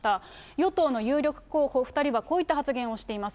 与党の有力候補２人はこういった発言をしています。